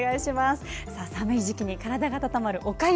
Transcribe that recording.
寒い時期に体が温まるおかゆ。